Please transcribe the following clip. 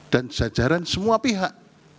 jajaran semua pihak